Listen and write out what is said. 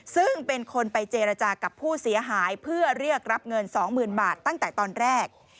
ซึ่งเป็นคนไปเจรจากับผู้เสียหายเพื่อเรียกรับเงิน๒๐๐๐บาทตั้งแต่ตอนแรก